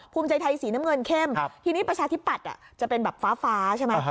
ภูมิใจไทยสีน้ำเงินเข้มทีนี้ประชาธิปัตย์จะเป็นแบบฟ้าใช่ไหม